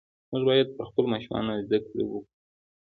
موږ باید پر خپلو ماشومانو زده کړه وکړو .